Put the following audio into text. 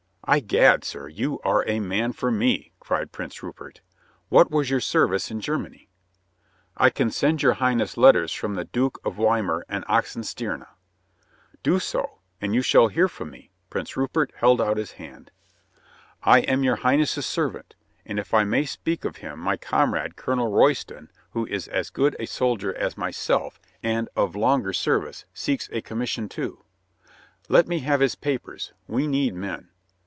"I'gad, sir, you are a man for me," cried Prince Rupert. "What was your service in Germany?" "I can send your Highness letters from the Duke of Weimar and Oxenstierna." "Do so, and you shall hear from me," Prince Rupert held out his hand. "I am your Highness' servant — and, if I may speak of him, my comrade. Colonel Royston, who is ii6 COLONEL GREATHEART as good a soldier as myself and of longer service, seeks a commission, too." "Let me have his papers. We need men."